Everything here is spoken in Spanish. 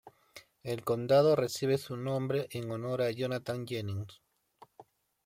El condado recibe su nombre en honor a Jonathan Jennings.